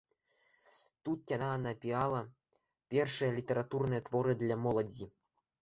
Тут яна напіала першыя літаратурныя творы для моладзі.